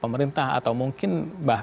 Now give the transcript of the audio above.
pemerintah atau mungkin bahan bahannya